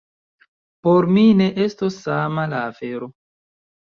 Por mi ne estos sama la afero.